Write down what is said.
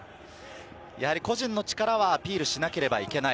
個人の力をアピールしなければいけない。